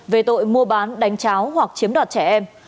về tội mua bán đánh cháo hoặc chiếm đoạt trẻ em